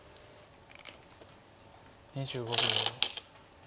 ２５秒。